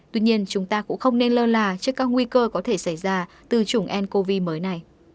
tuy nhiên chúng ta cũng không nên lơ là trước các nguy cơ có thể xảy ra từ chủng ncov mới này